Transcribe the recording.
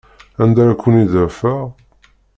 Anda ara ken-id-afeɣ?